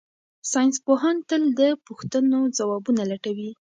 ساینس پوهان تل د پوښتنو ځوابونه لټوي.